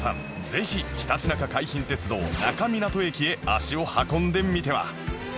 ぜひひたちなか海浜鉄道那珂湊駅へ足を運んでみては？